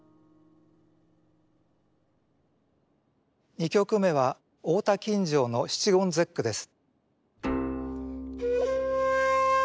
２曲目は大田錦城の七言絶句です。